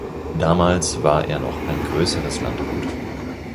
Damals war er noch ein größeres Landgut.